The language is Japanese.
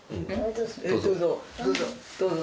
どうぞ。